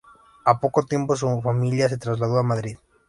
Al poco tiempo su familia se trasladó a Madrid.